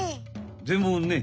でもね